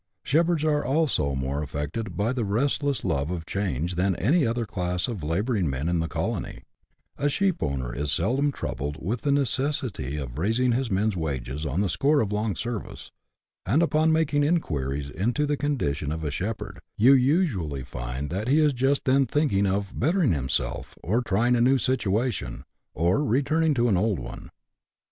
Shepherds are also more affected by the restless love of change than any other class of labouring men in the colony ; a sheep owner is seldom troubled with the necessity of raising his men's wages on the score of long service; and upon making inquiries 46 BUSH LIFE IN AUSTRALIA. [chap. v. into the condition of a shepherd, you usually find that he is just then thinking of " bettering himself," by trying a new situation, or returning to an old one.